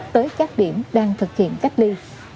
tới các điểm đang thực hiện cách ly